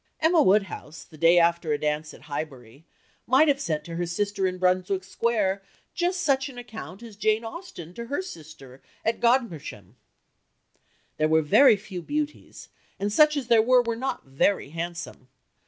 Emma Woodhouse, the day after a dance at Highbury, might have sent to her sister in Brunswick Square just such an account as Jane Austen to her sister at Godmersham "There were very few beauties, and such as there were were not very handsome."